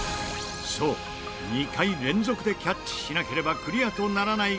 そう２回連続でキャッチしなければクリアとならない